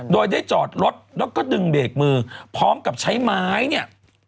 โดยได้จอดรถแล้วก็ดึงเบรกมือพร้อมกับใช้ไม้เนี่ย